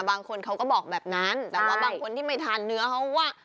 บางคนเขาก็บอกแบบนั้นแต่ว่าบางคนที่ไม่ทานเนื้อเขาว่า